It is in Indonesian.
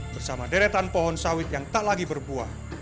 bersama deretan pohon sawit yang tak lagi berbuah